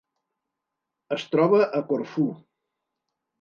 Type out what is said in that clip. Es troba a Corfú.